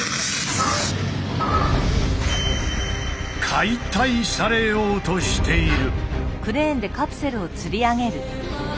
解体されようとしている。